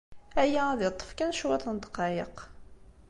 Aya ad yeṭṭef kan cwiṭ n ddqayeq.